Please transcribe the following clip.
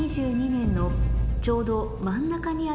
２０２２年のちょうど。